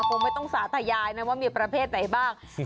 คงไม่ต้องสาธยายนะว่ามีประเภทไหนบ้าง